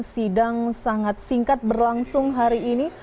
sidang sangat singkat berlangsung hari ini